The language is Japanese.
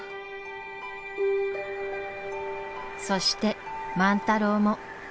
そして万太郎も。